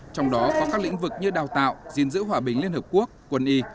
trong đó có các lĩnh vực như đào tạo diên dữ hòa bình liên hợp quốc quân y